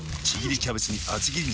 キャベツに厚切り肉。